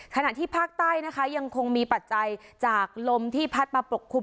ขณะที่ภาคใต้นะคะยังคงมีปัจจัยจากลมที่พัดมาปกคลุม